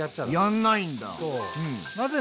やんないんだ。